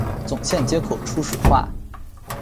总线接口初始化